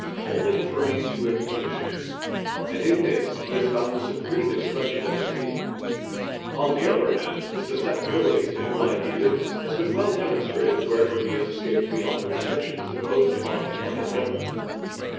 Only has remained to him industry, and in this has he found the supreme expression of his being. On the other hand, his susceptibility to new ideas has been well demonstrated wherever he has escaped beyond the restrictions imposed upon him by his government.